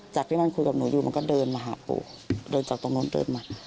ที่นั่นคุยกับหนูอยู่มันก็เดินมาหาปู่เดินจากตรงนู้นเดินมา